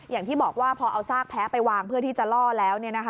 อย่างที่บอกว่าพอเอาซากแพ้ไปวางเพื่อที่จะล่อแล้ว